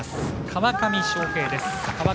川上翔平です。